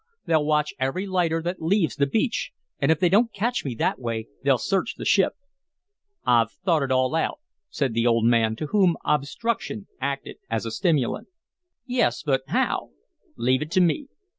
They'll watch every lighter that leaves the beach, and if they don't catch me that way, they'll search the ship." "I've thought it all out," said the old man, to whom obstruction acted as a stimulant. "Yes but how?" "Leave it to me.